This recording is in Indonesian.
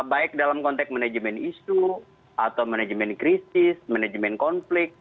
baik dalam konteks manajemen isu atau manajemen krisis manajemen konflik